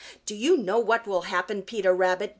Do you know what will happen, Peter Rabbit?